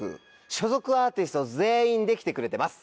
所属アーティスト全員で来てくれてます。